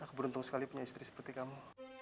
aku beruntung sekali punya istri seperti kamu